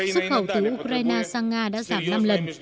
xuất khẩu từ ukraine sang nga đã giảm năm lần